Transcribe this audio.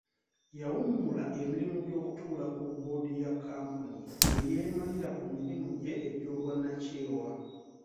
Yawummula emirimu gy'okutuula ku boodi ya kkampuni ne yeemalira ku mirimu gye egy'obwannakyewa.